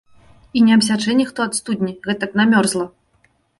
І не абсячэ ніхто ад студні, гэтак намерзла!